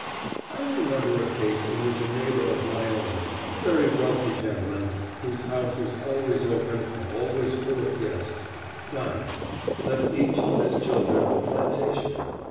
I remember a case in which a neighbor of my own, a very wealthy gentleman, whose house was always open and always full of guests, dying, left each of his children a plantation.